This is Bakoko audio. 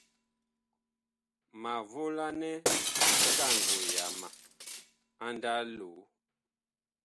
Ma volanɛ ngango yama a ndaa loo.